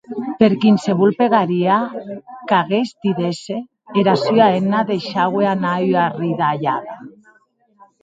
Per quinsevolh pegaria qu’aguest didesse, era sua hemna deishaue anar ua arridalhada.